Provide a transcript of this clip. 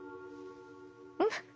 うん？